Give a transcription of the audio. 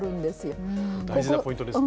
大事なポイントですね。